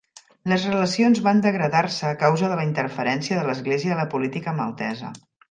"Les relacions van degradar-se a causa de la interferència de l'església a la política maltesa"